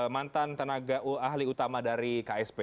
mantan tenaga ahli utama dari ksp